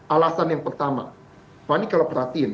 alasan yang pertama fani kalau perhatiin